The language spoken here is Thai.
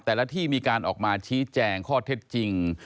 แต่ละที่มีการออกมาชี้แจงข้อเท็จจริง